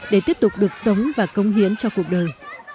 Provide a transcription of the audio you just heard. để tiếp tục được sống và công hiến cho cuộc đời